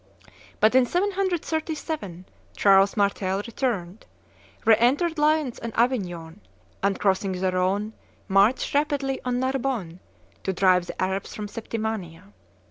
But in 737 Charles Martel returned, reentered Lyons and Avignon, and, crossing the Rhone, marched rapidly on Narbonne, to drive the Arabs from Septimania.